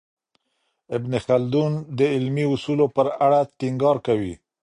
ابن خلدون د علمي اصولو په اړه ټینګار کوي.